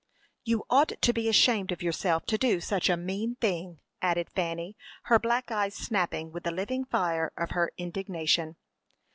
"You ought to be ashamed of yourself to do such a mean thing!" added Fanny, her black eyes snapping with the living fire of her indignation.